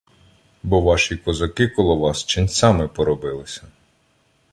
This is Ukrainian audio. — Бо ваші козаки коло вас ченцями поробилися.